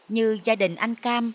như gia đình anh cam